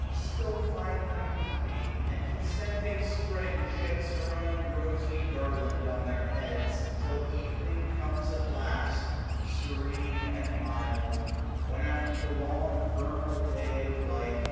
Still find them happy; and consenting Spring 1165 Sheds her own rosy garland on tlieir heads : Till evening comes at last, serene and mild ; When after the long vernal day of life.